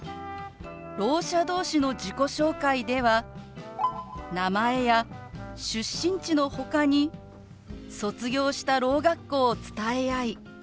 ろう者同士の自己紹介では名前や出身地のほかに卒業したろう学校を伝え合い